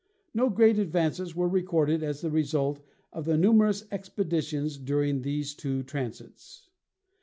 No great advances were recorded as the result of the numerous ex peditions during these two transits.